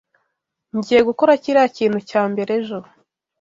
Ngiye gukora kiriya kintu cya mbere ejo.